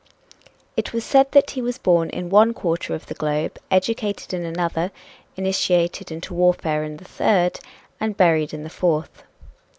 It was said that he was born in one quarter of the globe, educated in another, initiated into warfare in the third and buried in the fourth.